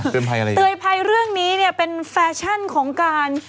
เตือนภัยเรื่องนี้เนี่ยเป็นแฟชั่นของการ